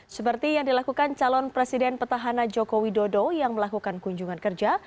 seperti yang dilakukan calon presiden petahana joko widodo yang melakukan kunjungan kerja